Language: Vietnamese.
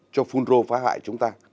cho phun rô phá hại chúng ta